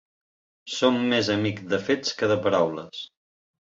Som més amic de fets que de paraules.